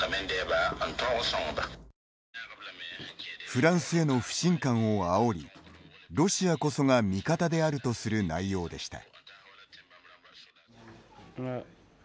フランスへの不信感をあおりロシアこそが味方であるとする内容でした。